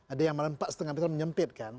ada yang melempak setengah meter menyempit kan